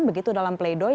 begitu dalam play doh